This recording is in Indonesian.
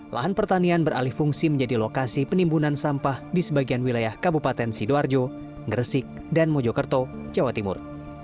lahan pertanian beralih fungsi menjadi lokasi penimbunan sampah di sebagian wilayah kabupaten sidoarjo gresik dan mojokerto jawa timur